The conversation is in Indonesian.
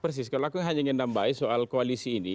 persis kalau aku hanya ingin nambahin soal koalisi ini